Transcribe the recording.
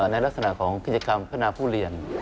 ในลักษณะของกิจกรรมพัฒนาผู้เรียน